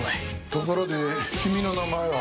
ところで君の名前は？